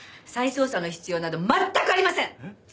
再捜査の必要など全くありません。